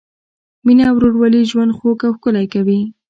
مینه او ورورولي ژوند خوږ او ښکلی کوي.